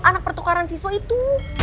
anak pertukaran siswa itu